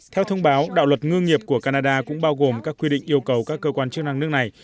theo thông báo đạo luật ngương nghiệp của canada cũng bao gồm các quy định yêu cầu các cơ quan chức năng nước này